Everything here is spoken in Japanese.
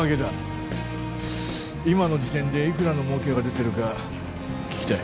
今の時点でいくらのもうけが出てるか聞きたい？